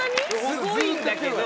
すごいんだけど。